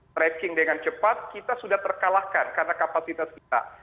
tracking dengan cepat kita sudah terkalahkan karena kapasitas kita